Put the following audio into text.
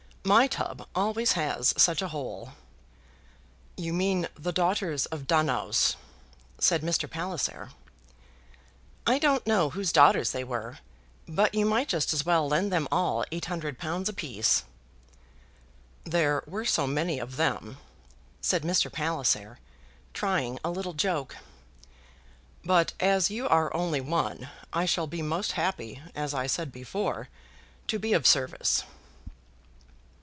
My tub always has such a hole." "You mean the daughters of Danaus," said Mr. Palliser. "I don't know whose daughters they were, but you might just as well lend them all eight hundred pounds apiece." "There were so many of them," said Mr. Palliser, trying a little joke. "But as you are only one I shall be most happy, as I said before, to be of service."